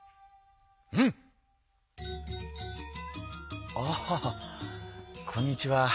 うん！あっこんにちは。